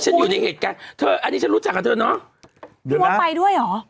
ฉันอยู่ในเหตุการณ์อันนี้ฉันรู้จักกับเธอน้องไปด้วยเหรอ